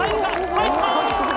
入った！